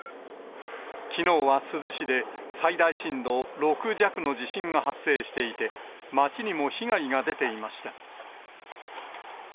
きのうは珠洲市で最大震度６弱の地震が発生していて、街にも被害が出ていました。